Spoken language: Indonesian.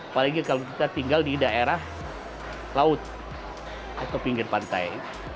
apalagi kalau kita tinggal di daerah laut atau pinggir pantai